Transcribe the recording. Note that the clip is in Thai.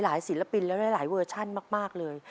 ศิลปินและหลายเวอร์ชั่นมากเลย